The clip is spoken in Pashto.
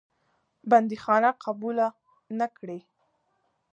بندیخانه قبوله نه کړې.